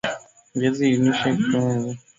viazi lishe hutoa uzee waharaka